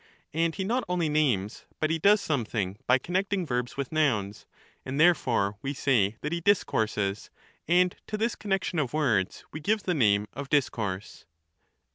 And he not only names, but he does something, by connecting verbs with nouns; and therefore we say that he discourses, and to this connexion of words we give the name of discourse.